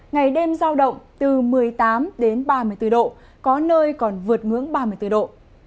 ngày đêm giao động từ một mươi tám đến ba mươi bốn độ có nơi còn vượt ngưỡng ba mươi bốn độ